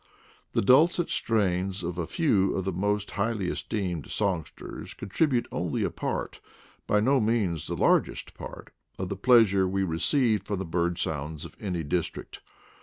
The dulcet strains of a few of the most highly esteemed songsters contribute only a part, by no means the largest part, of the pleasure we receive from the bird sounds of any district.